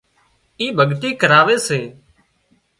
اي ڀڳتي ڪراوي سي